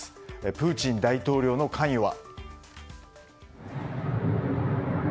プーチン大統領の関与は。